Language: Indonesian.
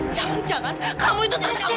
jangan jangan kamu itu terjawab